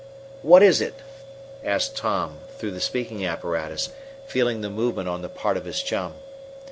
"What is it?" asked Tom through the speaking apparatus, feeling the movement on the part of his chum.